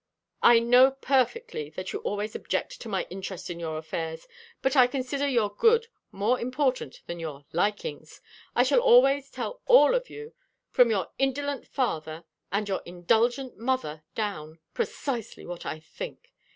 "I know perfectly that you always object to my interest in your affairs, but I consider your good more important than your likings. I shall always tell all of you from your indolent father and your indulgent mother down precisely what I think.